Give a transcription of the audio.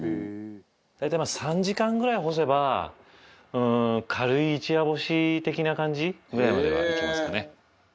大体３時間ぐらい干せば軽い一夜干し的な感じぐらいまではいきますかね。